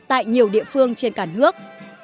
tại nhiều địa phương trên cả nước